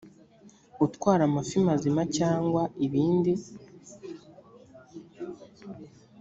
utwara amafi mazima cyangwa ibindi